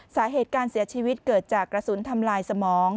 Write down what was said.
สาเหตุการเสียชีวิตเกิดจากกระสุนทำลายสมอง